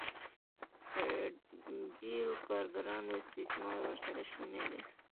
د ډېرو کارګرانو استثمار ورسره شونی دی